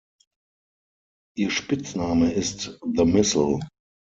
Ihr Spitzname ist "The Missile".